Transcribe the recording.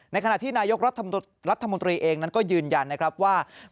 ในขณะที่นายกรัฐมนตรีเองนั้นก็ยืนยันว่า